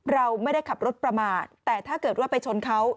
เราไม่ได้ขับรถประมาทแต่ถ้าเกิดว่าไปชนเขา